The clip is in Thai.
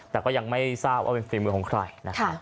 แต่ก็ยังไม่ทราบว่าเป็นผิดมือของใคร